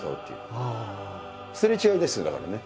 すれ違いですよだからね。